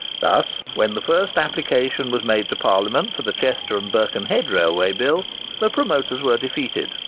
Thus, when the first application was made to Parliament for the Chester and Birkenhead Railway Bill, the promoters were defeated.